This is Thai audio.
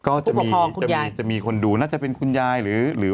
ก็จะมีผู้ปกครองคุณยายจะมีคนดูน่าจะเป็นคุณยายหรือ